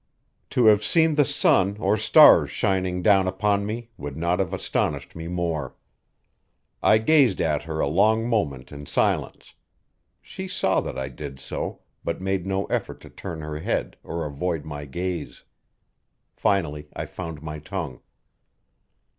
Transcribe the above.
To have seen the sun or stars shining down upon me would not have astonished me more. I gazed at her a long moment in silence; she saw that I did so, but made no effort to turn her head or avoid my gaze. Finally I found my tongue.